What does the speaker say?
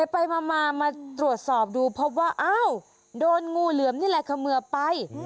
ไปมาตรวจสอบดูพบว่าอ้าวโดนงูเหลือมนี่แหละเขมือบไป